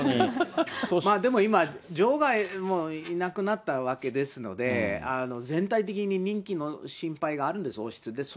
まあでも、女王がいなくなったわけですので、全体的に人気の心配があるんです、王室で。